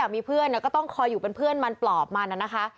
มีเพื่อนก็ต้องคอยอยู่เป็นเพื่อนมันปลอบมันนะคะ